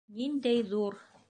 Ниндәй ҙур!